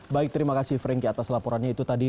baik terima kasih franky atas laporannya itu tadi